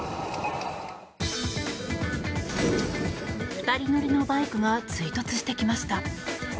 ２人乗りのバイクが追突してきました。